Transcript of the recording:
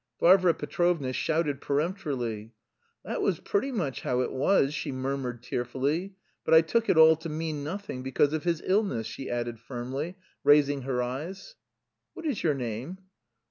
Varvara Petrovna shouted peremptorily. "That was pretty much how it was," she murmured tearfully. "But I took it all to mean nothing, because of his illness," she added firmly, raising her eyes. "What is your name?"